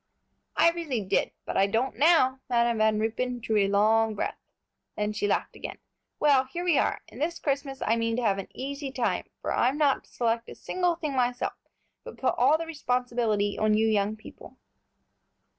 "I really did, but I don't now!" Madam Van Ruypen drew a long breath, then she laughed again. "Well, here we are, and this Christmas I mean to have an easy time, for I'm not to select a single thing myself, but put all the responsibility on you young people."